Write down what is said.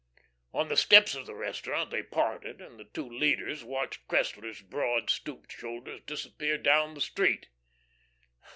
On the steps of the restaurant they parted, and the two leaders watched Cressler's broad, stooped shoulders disappear down the street.